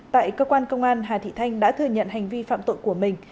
tại cơ quan công an hà thị thanh đã thừa nhận hành vi phạm tội của mình